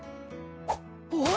おい！